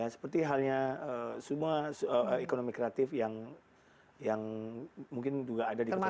seperti halnya semua ekonomi kreatif yang mungkin juga ada di kota